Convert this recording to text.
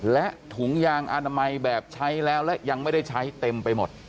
และถุงยางอนามัยแบบใช้แล้วและยังไม่ได้ใช้เต็มไปหมด